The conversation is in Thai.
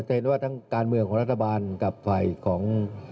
จะเห็นว่าทั้งการเมืองของรัฐบาลกับฝ่ายของ